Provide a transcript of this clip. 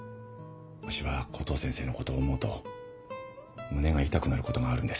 わしはコトー先生のことを思うと胸が痛くなることがあるんです。